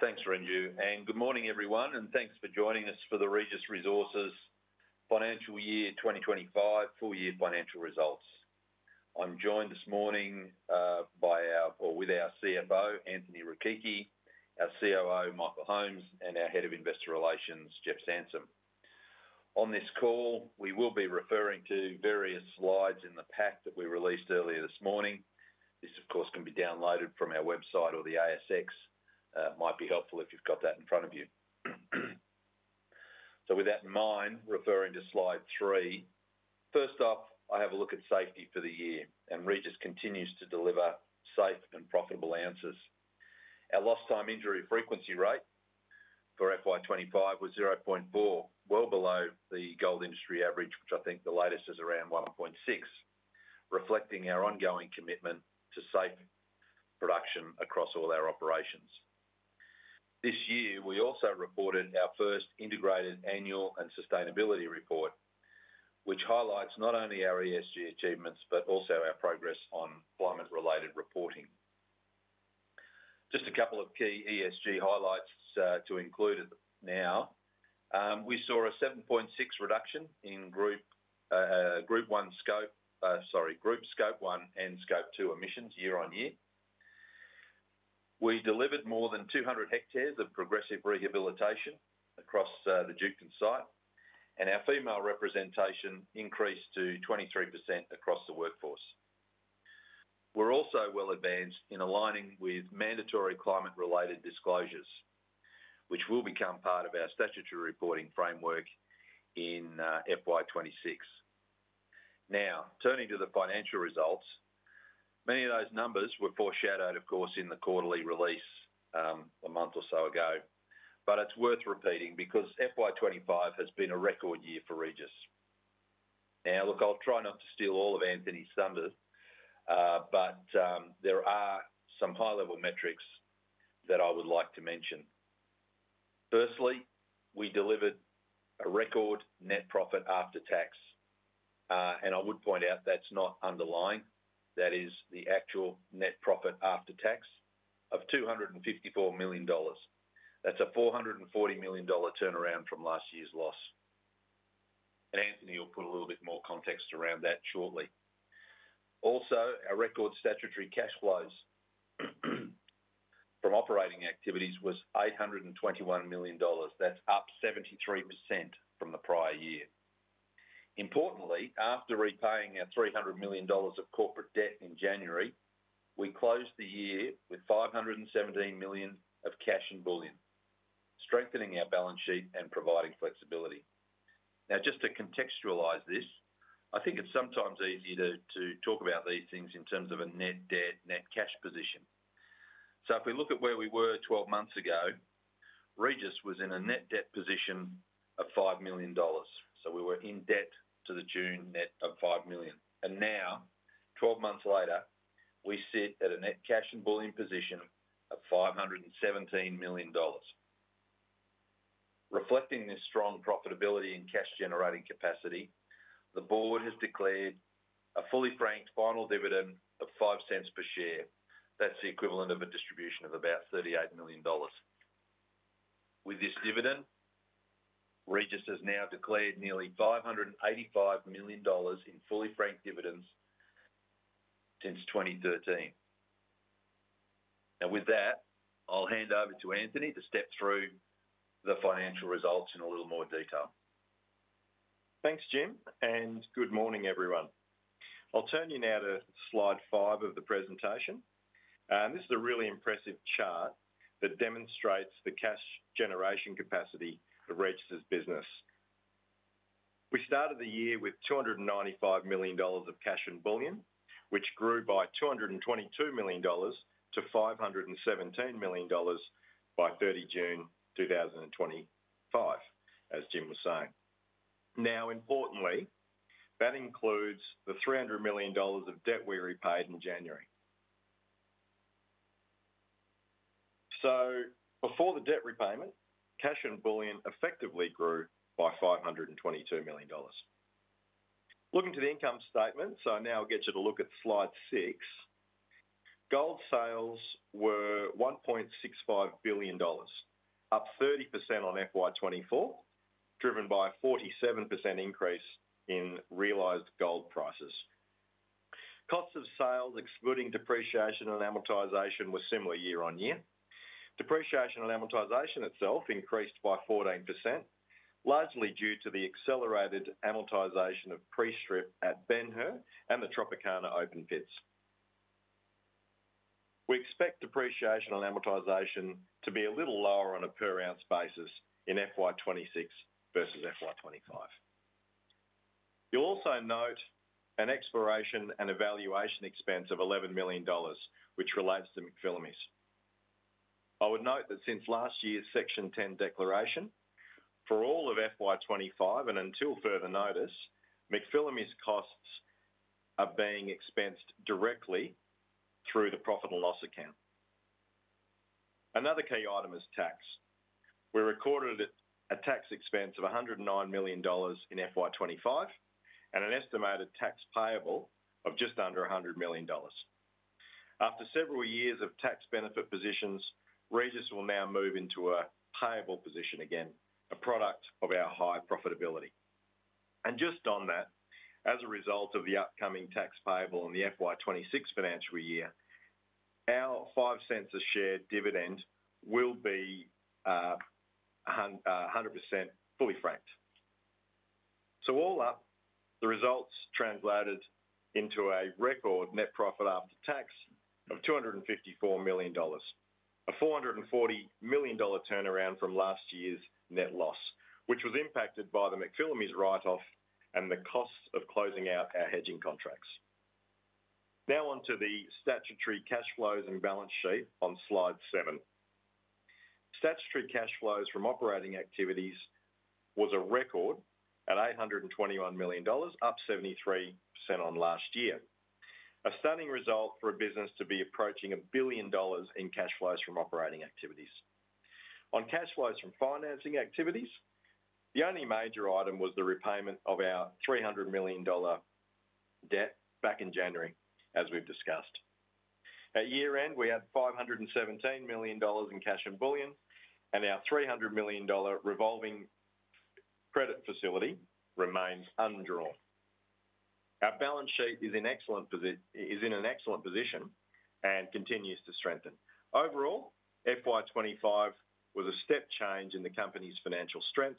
Thanks Renju, and good morning everyone and thanks for joining us for the Regis Resources financial year 2025 full year financial results. I'm joined this morning by our CFO Anthony Rechichi, our COO Michael Holmes, and our Head of Investor Relations Jeff Sansom. On this call we will be referring to various slides in the pack that we released earlier this morning. This of course can be downloaded from our website or the ASX. It might be helpful if you've got that in front of you. With that in mind, referring to slide three. First off, I have a look at safety for the year and Regis continues to deliver safe and profitable answers. Our lost time injury frequency rate for FY 2025 was 0.4, well below the gold industry average, which I think the latest is around 1.6, reflecting our ongoing commitment to safe production across all our operations. This year we also reported our first integrated annual and sustainability report which highlights not only our ESG achievements but also our progress on climate related reporting. Just a couple of key ESG highlights to include. We saw a 7.6% reduction in group scope 1 and scope 2 emissions. Year on year we delivered more than 200 hectares of progressive rehabilitation across the Duketon site and our female representation increased to 23% across the workforce. We're also well advanced in aligning with mandatory climate related disclosures which will become part of our statutory reporting framework in FY 2026. Now turning to the financial results. Many of those numbers were foreshadowed of course in the quarterly release a month or so ago, but it's worth repeating because FY 2025 has been a record year for Regis. I'll try not to steal all of Anthony's thunder, but there are some high level metrics that I would like to mention. Firstly, we delivered a record net profit after tax and I would point out that's not underlying, that is the actual net profit after tax of $254 million. That's a $440 million turnaround from last year's loss and Anthony will put a little bit more context around that shortly. Also, our record statutory cash flows from operating activities was $821 million. That's up 73% from the prior year. Importantly, after repaying our $300 million of corporate debt in January, we closed the year with $517 million of cash and bullion, strengthening our balance sheet and providing flexibility. Now, just to contextualize this, I think it's sometimes easy to talk about these things in terms of a net debt net cash position. If we look at where we were 12 months ago, Regis was in a net debt position of $5 million. We were in debt to the June net of $5 million. Now, 12 months later, we sit at a net cash and bullion position of $517 million. Reflecting this strong profitability and cash generating capacity, the board has declared a fully franked final dividend of $0.05 per share. That's the equivalent of a distribution of about $38 million. With this dividend, Regis has now declared nearly $585 million in fully franked dividends since 2013. With that, I'll hand over to Anthony to step through the financial results in a little more detail. Thanks Jim and good morning everyone. I'll turn you now to slide 5 of the presentation. This is a really impressive chart that demonstrates the cash generation capacity of Regis's business. We started the year with $295 million of cash and bullion, which grew by $222 million-$517 million by 30 June 2025, as Jim was saying. Now, importantly, that includes the $300 million of debt we repaid in January. Before the debt repayment, cash and bullion effectively grew by $522 million. Looking to the income statement, now I'll get you to look at slide six. Gold sales were $1.65 billion, up 30% on FY 2024, driven by a 47% increase in realized gold prices. Costs of sales excluding depreciation and amortization were similar year-on-year. Depreciation and amortization itself increased by 14%, largely due to the accelerated amortization of pre-strip at Ben Hur and the Tropicana open pits. We expect depreciation and amortization to be a little lower on a per ounce basis in FY 2026 versus FY 2025. You'll also note an exploration and evaluation expense of $11 million, which relates to the McPhillamys project. I would note that since last year's Section 10 declaration, for all of FY 2025 and until further notice, McPhillamys costs are being expensed directly through the profit and loss account. Another key item is tax. We recorded a tax expense of $109 million in FY 2025 and an estimated tax payable of just under $100 million. After several years of tax benefit positions, Regis will now move into a payable position again, a product of our high profitability. As a result of the upcoming tax payable and the FY26 financial year, our $0.05 a share dividend will be 100% fully franked. All up, the results translated into a record net profit after tax of $254 million, a $440 million turnaround from last year's net loss, which was impacted by the McPhillamys write-off and the cost of closing out our hedging contracts. Now onto the statutory cash flows and balance sheet on slide 7. Statutory cash flows from operating activities was a record at $821 million, up 73% on last year, a stunning result for a business to be approaching a billion dollars in cash flows from operating activities. On cash flows from financing activities, the only major item was the repayment of our $300 million debt back in January. At year end we had $517 million in cash and bullion and our $300 million revolving credit facility remains undrawn. Our balance sheet is in an excellent position and continues to strengthen. Overall, FY 2025 was a step change in the company's financial strength,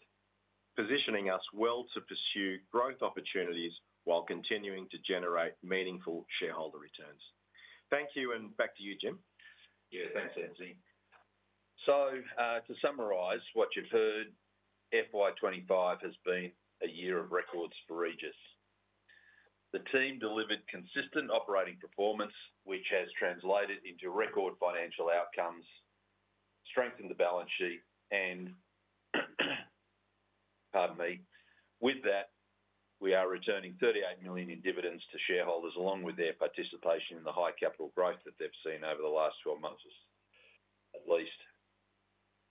positioning us well to pursue growth opportunities while continuing to generate meaningful shareholder returns. Thank you. Back to you, Jim. Yeah, thanks, Anthony. To summarize what you've heard, FY 2025 has been a year of records for Regis. The team delivered consistent operating performance, which has translated into record financial outcomes, strengthened the balance sheet, and, pardon me, with that, we are returning $38 million in dividends to shareholders, along with their participation in the high capital growth that they've seen over the last 12 months, at least.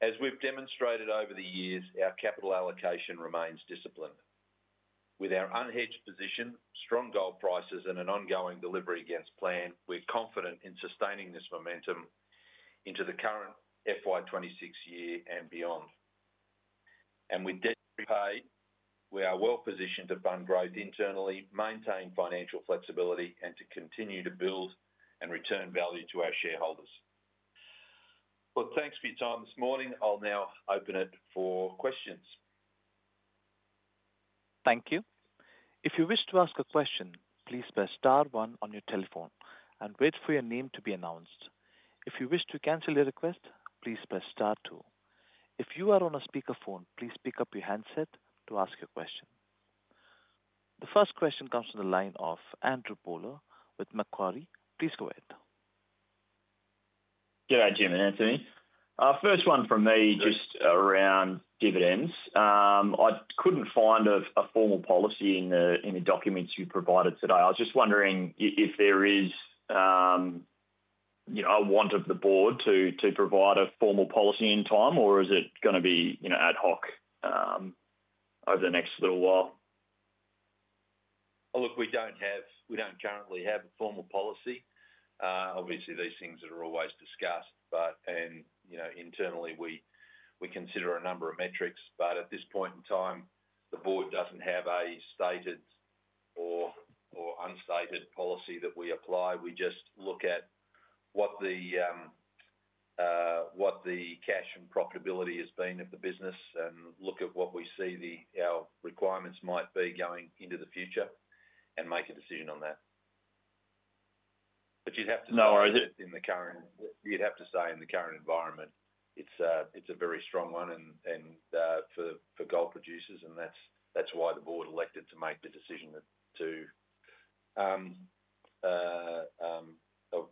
As we've demonstrated over the years, our capital allocation remains disciplined. With our unhedged position, strong gold prices, and an ongoing delivery against plan, we're confident in sustaining this momentum into the current FY 2026 year and beyond. With debt repay, we are well positioned to fund growth internally, maintain financial flexibility, and to continue to build and return value to our shareholders. Thanks for your time this morning. I'll now open it for questions. Thank you. If you wish to ask a question, please press star 1 on your telephone and wait for your name to be announced. If you wish to cancel your request, please press star 2. If you are on a speakerphone, please pick up your handset to ask your question. The first question comes from the line of Andrew Bowler with Macquarie. Please go ahead. G'day, Jim and Anthony. First one from me, just around dividends. I couldn't find a formal policy in the documents you provided today. I was just wondering if there is, you know, a want of the board to provide a formal policy in time or is it going to be, you know, ad hoc over the next little while? Look, we don't currently have a formal policy, obviously these things are always discussed. Internally we consider a number of metrics but at this point in time the board doesn't have a stated or unstated policy that we apply. We just look at what the cash and profitability has been at the business and look at what we see our requirements might be going into the future and make a decision on that. You'd have to say in the current environment, it's a very strong one for gold producers and that's why the board elected to make the decision to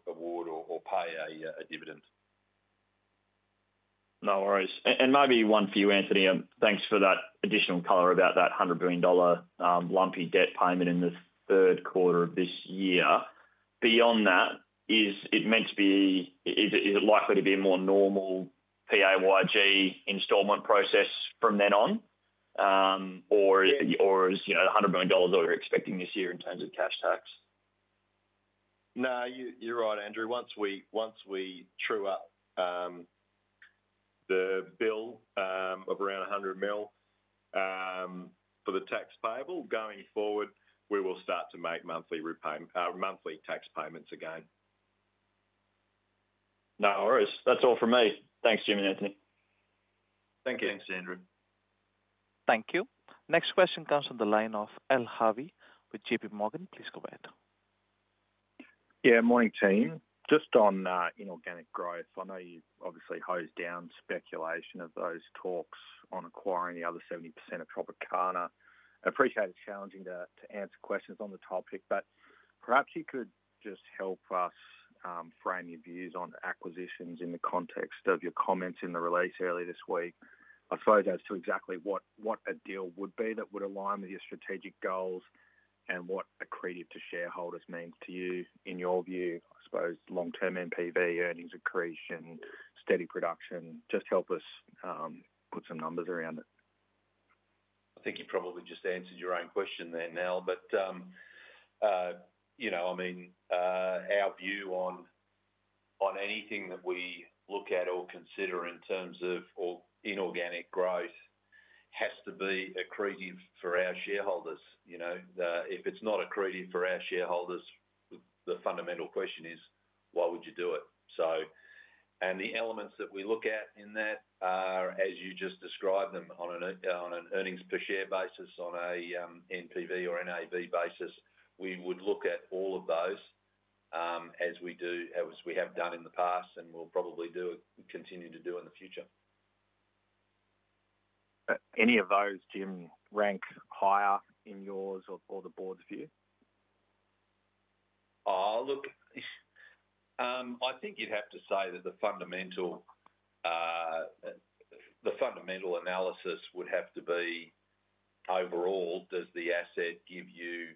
award or pay a dividend. No worries. Maybe one for you, Anthony. Thanks for that additional color about that $100 million lumpy debt payment in the third quarter of this year. Beyond that, is it meant to be, is it likely to be a more normal PAYG installment process from then on, or is $100 million that we're expecting this year in terms of cash tax? No, you're right, Andrew. Once we true up. The bill of around $100 million for the tax payable going forward, we will start to make monthly repayment, monthly tax payments again. No worries. That's all from me. Thanks Jim and Anthony. Thank you. Thanks, Andrew. Thank you. Next question comes from the line of Ali Harvey with JP Morgan. Please go ahead. Yeah, morning team. Just on inorganic growth, I know you obviously hosed down speculation of those talks on acquiring the other 70% of Tropicana. Appreciate it. Challenging to answer questions on the topic, but perhaps you could just help us frame your views on acquisitions in the context of your comments in the release earlier this week. I suppose as to exactly what a deal would be that would align with your strategic goals and what accretive to shareholders means to you in your view. I suppose long term NPV earnings accretion, steady production, just help us put some numbers around it. I think you probably just answered your own question there, Nel. Our view on anything that we look at or consider in terms of inorganic growth has to be accretive for our shareholders. If it's not accretive for our shareholders, the fundamental question is why would you do it? The elements that we look at in that are as you just described them, on an earnings per share basis, on a NPV or NAV basis. We would look at all of those as we do, as we have done in the past and we'll probably continue to do in the future. Any of those, Jim, rank higher in yours or the board's view? Look, I think you'd have to say that the fundamental analysis would have to be overall, does the asset give you,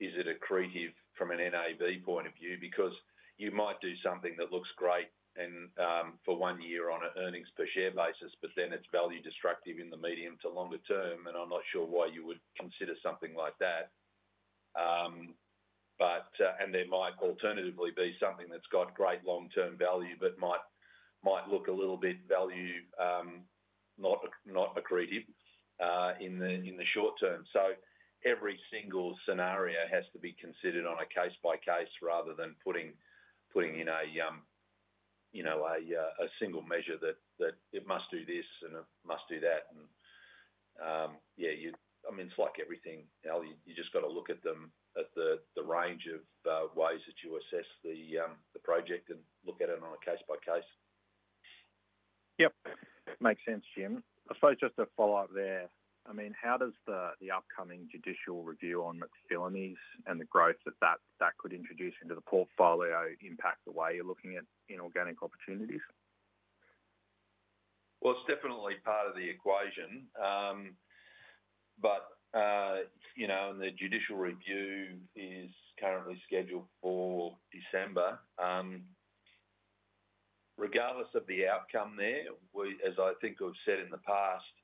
is it accretive from a NAV point of view? You might do something that looks great for one year on an earnings per share basis, but then it's value destructive in the medium to longer term. I'm not sure why you would consider something like that. There might alternatively be something that's got great long term value but might look a little bit not accretive in the short term. Every single scenario has to be considered on a case by case rather than putting in a single measure that it must do this and it must do that. I mean it's like everything, Ali. You just got to look at them at the range of ways that you assess the project and look at it on a case by case. Yep, makes sense, Jim. I suppose just to follow up there. How does the upcoming judicial review on McPhillamys and the growth that could introduce into the portfolio impact the way you're looking at inorganic opportunities? It's definitely part of the equation. In the judicial review that is currently scheduled for December, regardless of the outcome there, as I think we've said in the past,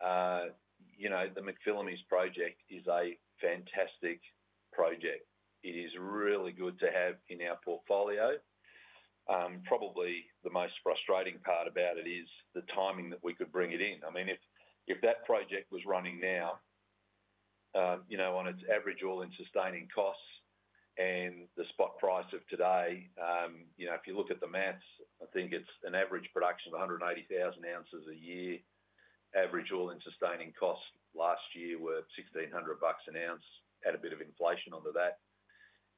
the McPhillamys project is a fantastic project. It is really good to have in our portfolio. Probably the most frustrating part about it is the timing that we could bring it in. I mean, if that project was running now, on its average all-in sustaining costs and the spot price of today, if you look at the maths, I think it's an average production of 180,000 ounces a year. Average all-in sustaining costs last year were $1,600 an ounce. Add a bit of inflation onto that,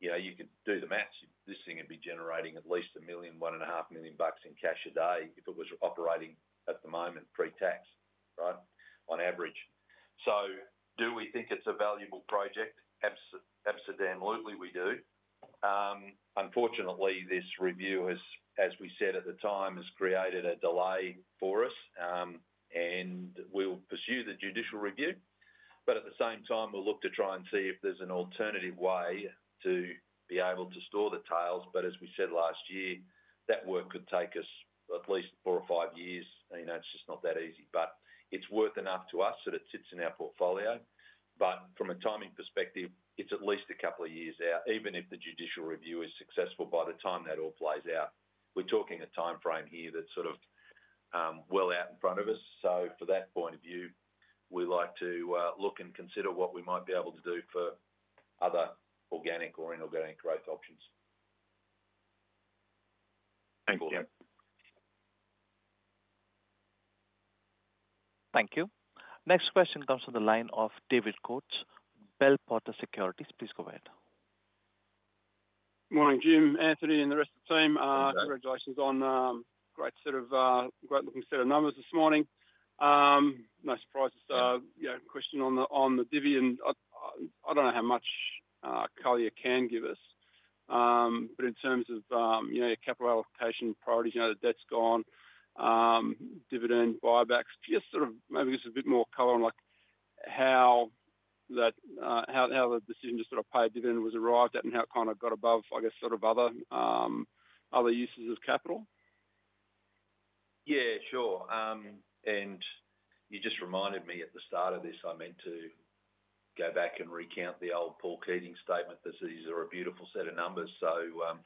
you could do the math. This thing would be generating at least $1 million, $1.5 million in cash a day if it was operating at the moment pre-tax on average. So, do we think it's a valuable project? Absolutely we do. Unfortunately, this review has, as we said at the time, created a delay for us and we will pursue the judicial review. At the same time, we'll look to try and see if there's an alternative way to be able to store the tails. As we said last year, that work could take us at least four or five years. It's just not that easy. It's worth enough to us that it sits in our portfolio. From a timing perspective, it's at least a couple of years out. Even if the judicial review is successful, by the time that all plays out, we're talking a timeframe here that's sort of well out in front of us. From that point of view, we like to look and consider what we might be able to do for other organic or inorganic growth options. Thank you. Thank you. Next question comes from the line of David Coates, Bell Potter Securities. Please go ahead. Morning Jim, Anthony and the rest of the team. Congratulations on great looking set of numbers this morning. Nice price. You know, question on the divvy and I don't know how much color you can give us, but in terms of capital allocation priorities, debt's gone. Dividend buybacks just sort of, maybe just a bit more color on how the decision to sort of pay a dividend was arrived at and how it kind of got above, I guess, sort of other uses of capital. Yeah, sure. You just reminded me at the start of this, I meant to go back and recount the old Paul Keating statement that these are a beautiful set of numbers.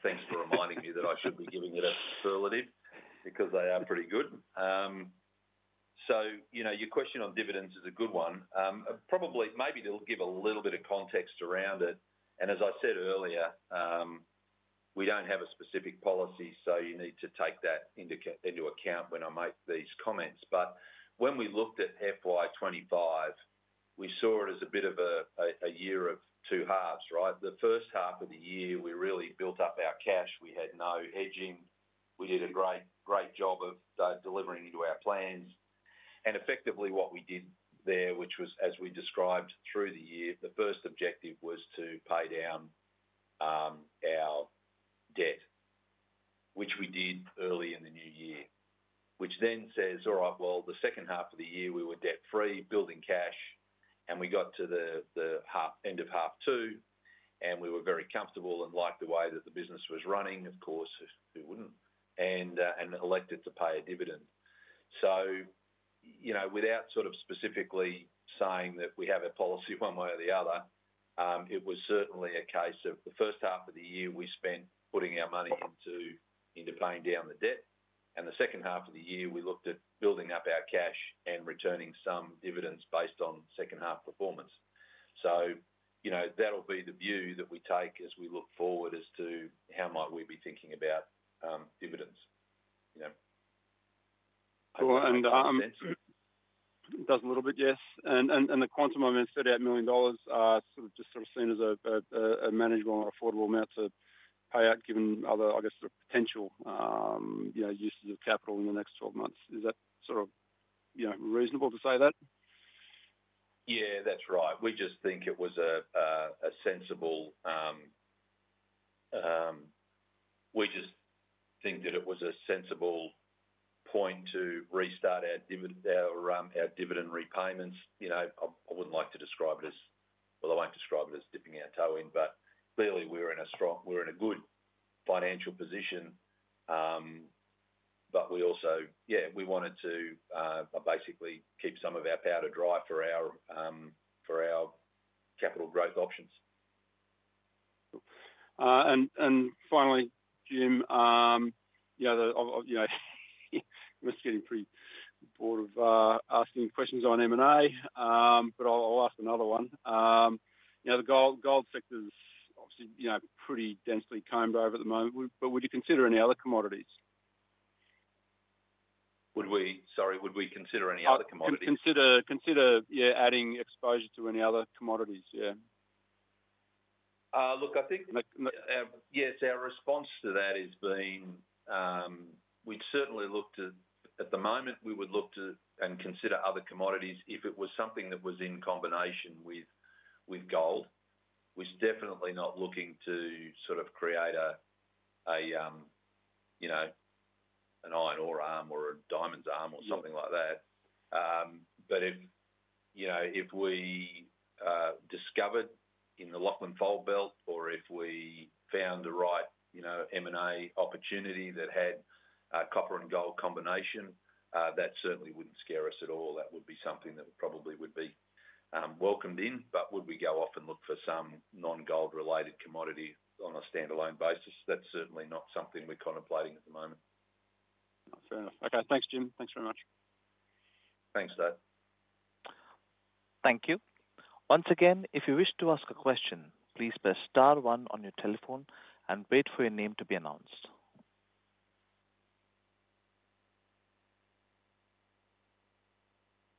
Thanks for reminding me that I should be giving it a superlative because they are pretty good. Your question on dividends is a good one probably. Maybe I'll give a little bit of context around it. As I said earlier, we don't have a specific policy so you need to take that into account when I make these comments. When we looked at FY 2025, we saw it as a bit of a year of two halves, right? The first half of the year we really built up our cash. We had no hedging. We did a great job of delivering into our plans and effectively what we did there, which was as we described through the year, the first objective was to pay down our debt, which we did early in the new year, which then says, all right, the second half of the year we were debt free building cash and we got to the end of half two and we were very comfortable and liked the way that the business was running. Of course, who wouldn't, and elected to pay a dividend. Without specifically saying that we have a policy one way or the other, it was certainly a case of the first half of the year we spent putting our money into paying down the debt and the second half of the year we looked at building up our cash and returning some dividends based on second half performance. That'll be the view that we take as we look forward as to how we might be thinking about dividends. Does a little bit, yes. The quantum, I mean, $38 million is just sort of seen as a manageable or affordable amount to pay out, given other, I guess, the potential uses of capital in the next 12 months. Is that sort of reasonable to say that? Yeah, that's right. We just think it was sensible, we just think that it was a sensible point to restart our dividend repayments. I wouldn't like to describe it as, I won't describe it as dipping our toe in, but clearly we're in a strong, we're in a good financial position. We also wanted to basically keep some of our powder dry for our capital growth options. Jim, you know, I'm just getting pretty bored of asking questions on M&A, but I'll ask another one. The gold sector's obviously, you know, pretty densely combed over at the moment, but would you consider any other commodities? Would we consider any other commodities? Consider adding exposure to any other commodities. I think, yes, our response to that is we'd certainly look to. At the moment, we would look to and consider other commodities if it was something that was in combination with gold. We're definitely not looking to create an iron ore arm or a diamonds arm or something like that. If we discovered in the Lachlan Fold Belt or if we found the right M&A opportunity that had copper and gold combination, that certainly wouldn't scare us at all. That would be something that probably would be welcomed in. Would we go off and look for some non-gold related commodity on a standalone basis? That's certainly not something we're contemplating at the moment. Fair enough. Okay, thanks Jim. Thanks very much. Thanks, Dave. Thank you. Once again, if you wish to ask a question, please press star one on your telephone and wait for your name to be announced.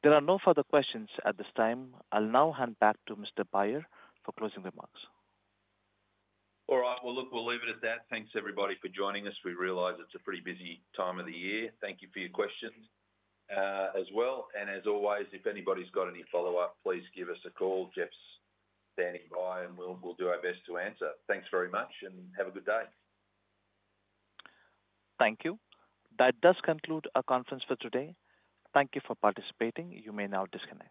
There are no further questions at this time. I'll now hand back to Mr. Beyer for closing remarks. All right, look, we'll leave it at that. Thanks everybody for joining us. We realize it's a pretty busy time of the year. Thank you for your questions as well. If anybody's got any follow up, please give us a call. Jeff's standing by and we'll do our best to answer. Thanks very much and have a good day. Thank you. That does conclude our conference for today. Thank you for participating. You may now disconnect.